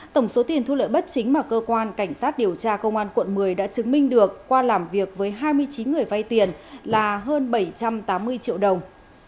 tổng số tiền thu lợi bất chính mà cơ quan cảnh sát điều tra công an quận một mươi đã chứng minh được qua làm việc với hai mươi chín người vay tiền là hơn bảy trăm tám mươi triệu đồng